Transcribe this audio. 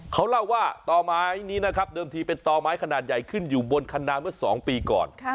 เขาเล่าว่าต่อไม้นี้นะครับเดิมทีเป็นต่อไม้ขนาดใหญ่ขึ้นอยู่บนคันนาเมื่อ๒ปีก่อน